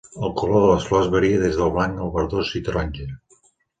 El color de les flors varia des del blanc al verdós i taronja.